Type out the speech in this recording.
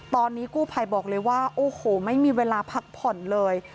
ตอนนี้กู้ภัยบอกเลยว่าโอ้โหไม่มีเวลาพักผ่อนเลย